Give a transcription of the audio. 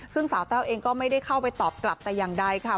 ซึ่งสาวแต้วเองก็ไม่ได้เข้าไปตอบกลับแต่อย่างใดค่ะ